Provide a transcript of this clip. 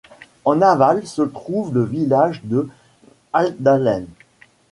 En aval se trouve le village de Haltdalen.